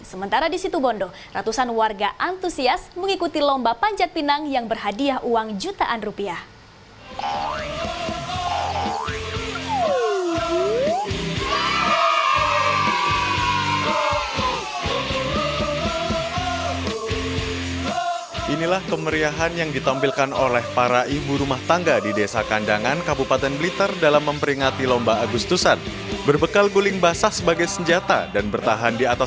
sementara di situ bondo ratusan warga antusias mengikuti lomba panjat pinang yang berhadiah uang jutaan rupiah